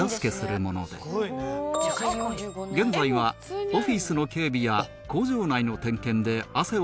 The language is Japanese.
現在はオフィスの警備や工場内の点検で汗を流しているが